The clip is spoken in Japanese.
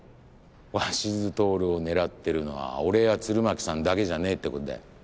鷲津亨を狙ってるのは俺や鶴巻さんだけじゃねぇってことだよ。